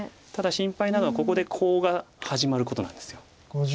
ただ心配なのはここでコウが始まることなんです。